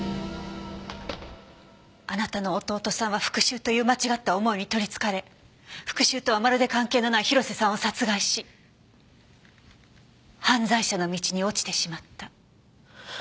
あなたの弟さんは復讐という間違った思いに取りつかれ復讐とはまるで関係のない広瀬さんを殺害し犯罪者の道に落ちてしまった。